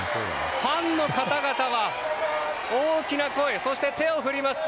ファンの方々は、大きな声そして、手を振ります。